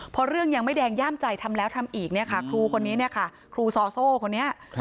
พอเรื่องยังไม่แดงย่ามใจทำแล้วทำอีกครูซอโซคนนี้